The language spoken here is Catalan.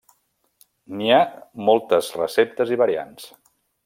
N'hi ha moltes receptes i variants.